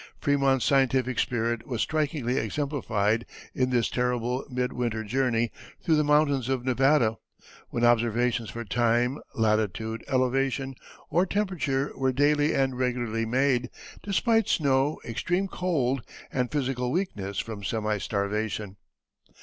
Frémont's scientific spirit was strikingly exemplified in this terrible mid winter journey through the mountains of Nevada, when observations for time, latitude, elevation, or temperature were daily and regularly made despite snow, extreme cold, and physical weakness from semi starvation.